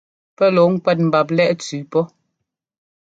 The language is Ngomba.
Pɛ́ lɔ̌ɔ ŋkúɛ́t mbap lɛ́ʼ cʉʉ pɔ.